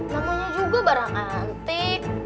namanya juga barang antik